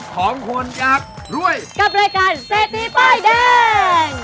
ของคุณอยากรวยกับรายการเศรษฐีป้ายแดง